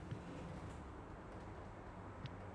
Bu tun soginchimdan kuzim buldi nam